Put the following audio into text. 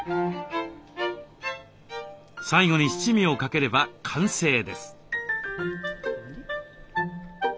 最後に七味をかければ完成です。